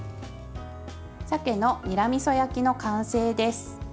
さけのにらみそ焼きの完成です。